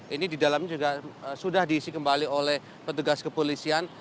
ini di dalamnya juga sudah diisi kembali oleh petugas kepolisian